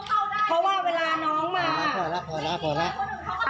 ของเขาไม่ต้องเข้าได้เพราะว่าเวลาน้ำพอละพอละ